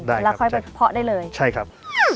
ได้ครับแล้วค่อยไปเพาะได้เลยใช่ครับ